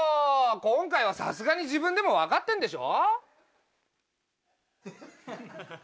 今回はさすがに自分でも分かってんでしょ？